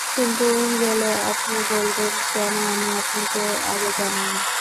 কিন্তু গেলে আপনি বলবেন কেন আমি আপনাকে আগে জানাইনি।